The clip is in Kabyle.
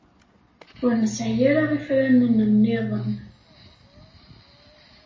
Ur nesɛi ara ifranen nniḍen.